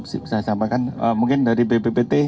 saya sampaikan mungkin dari bppt